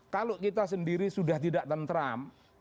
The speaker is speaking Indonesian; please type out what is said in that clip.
kalau kita sendiri sudah tidak tentram